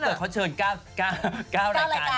ถ้าเกิดเขาเชิญ๙รายการ